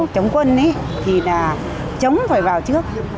và chống quân thì là chống phải vào trước